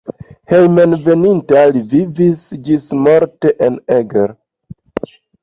Hejmenveninta li vivis ĝismorte en Eger.